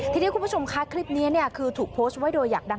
ทีนี้คุณผู้ชมคะคลิปนี้คือถูกโพสต์ไว้โดยอยากดัง